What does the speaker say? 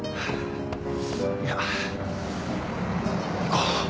いや行こう。